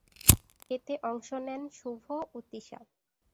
এতে অংশ নেন শুভ ও তিশা।